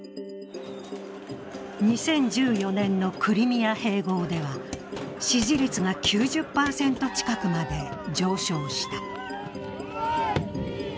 ２０１４年のクリミア併合では支持率が９０％近くまで上昇した。